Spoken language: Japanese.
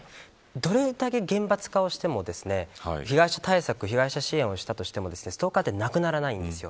どれだけ厳罰化をしても被害者対策、被害者支援をしたとしてもストーカーはなくならないんですよ。